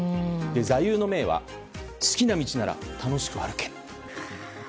座右の銘は「好きな道なら楽しく歩け」。